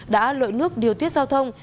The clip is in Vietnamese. đã lội nước điều tiết giao thông